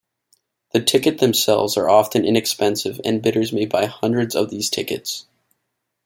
The tickets themselves are often inexpensive and bidders may buy hundreds of these tickets.